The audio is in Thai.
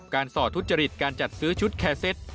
สอดทุจริตการจัดซื้อชุดแคร์เซ็ต